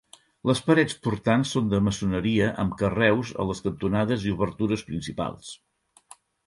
Les parets portants són de maçoneria amb carreus a les cantonades i obertures principals.